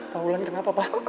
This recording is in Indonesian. pak ulan ini apa pak